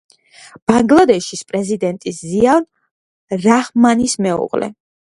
ბანგლადეშის პრეზიდენტის ზიაურ რაჰმანის მეუღლე.